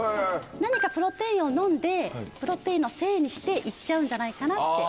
何かプロテインを飲んでプロテインのせいにして行っちゃうんじゃないかなって。